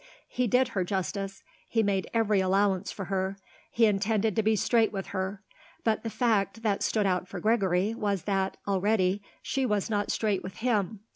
He did her justice; he made every allowance for her; he intended to be straight with her; but the fact that stood out for Gregory was that, already, she was not straight with him.